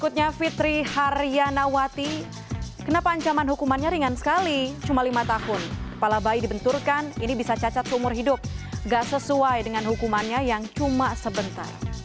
terima kasih banyak terima kasih